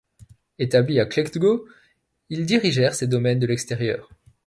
Établis à Klettgau, ils dirigèrent ces domaines de l'extérieur.